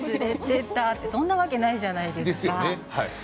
ってそんなわけないじゃないですか。